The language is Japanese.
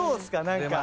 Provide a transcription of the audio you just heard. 何か。